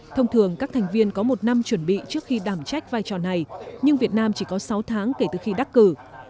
thông thường các thành viên có một năm chuẩn bị trước khi đảm trách vai trò này nhưng việt nam chỉ có sáu tháng kể từ khi đắc cử